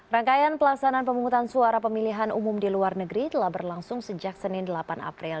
rangkaian pelaksanaan pemungutan suara pemilihan umum di luar negeri telah berlangsung sejak senin delapan april